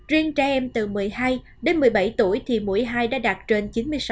riêng trẻ em từ một mươi hai đến một mươi bảy tuổi thì mũi hai đã đạt trên chín mươi sáu